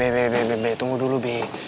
be be be tunggu dulu be